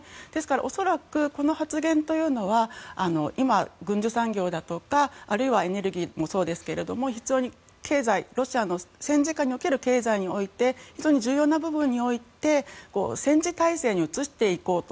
恐らく、この発言というのは今、軍需産業だとかあるいはエネルギーもそうですが非常にロシアの戦時下における経済について非常に重要な部分において戦時態勢に移していこうと。